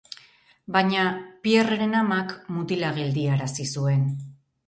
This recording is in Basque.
Baina Pierreren amak mutila geldiarazi zuen.